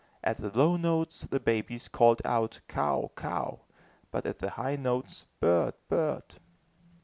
At the low notes the babies called out "cow, cow;" but at the high notes, "bird, bird."